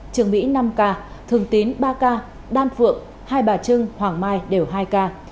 trường mỹ năm k thường tín ba ca đan phượng hai bà trưng hoàng mai đều hai ca